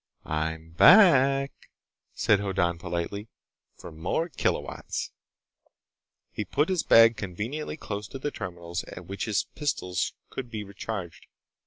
"I'm back," said Hoddan politely, "for more kilowatts." He put his bag conveniently close to the terminals at which his pistols could be recharged.